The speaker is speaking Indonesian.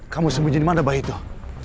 kamu sembunyi dimana baik tuh